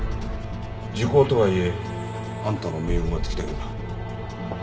時効とはいえあんたの命運は尽きたようだ。